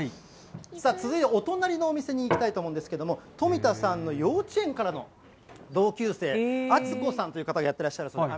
さあ続いて、お隣のお店に行きたいと思うんですけれども、富田さんの幼稚園からの同級生、篤子さんという方がやってらっしゃるそうです。